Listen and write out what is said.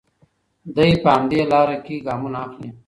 دی په همدې لاره کې ګامونه اخلي.